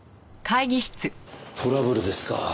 トラブルですか。